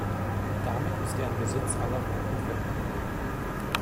Damit ist er in Besitz aller roten Felder.